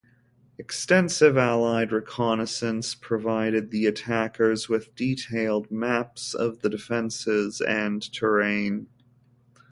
Extensive Allied reconnaissance provided the attackers with detailed maps of the defenses and terrain.